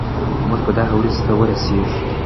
موږ به دغې ورځې ته ورسېږو.